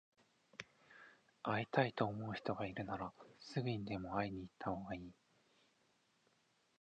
会いたいと思う人がいるなら、すぐにでも会いに行ったほうがいい。